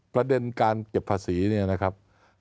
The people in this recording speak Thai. ประเด็นการเก็บภาษีนะครับ